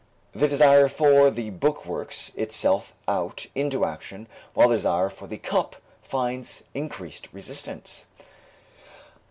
The desire for the book works itself out into action while the desire for the cup finds increased resistance.